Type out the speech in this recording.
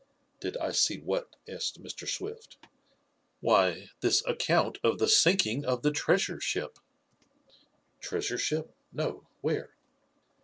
"Did I see what?" asked Mr. Swift. "Why, this account of the sinking of the treasure ship." "Treasure ship? No. Where?"